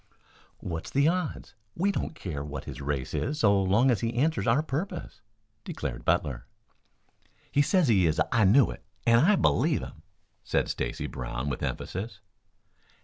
"What's the odds? We don't care what his race is so long as he answers our purpose," declared Butler. "He says he is an I Knew It, and I believe him," said Stacy Brown with emphasis.